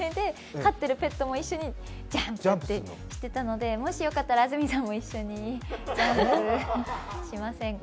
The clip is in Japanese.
飼ってるペットも一緒にジャンプしてたのでもしよかったら、安住さんも一緒にジャンプしませんか？